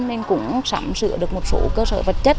nên cũng sẵn sửa được một số cơ sở vật chất